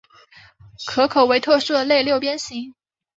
壳口为特殊的类六边形。